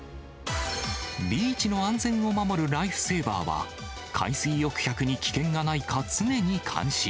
ビーチの安全を守るライフセーバーは、海水浴客に危険がないか、常に監視。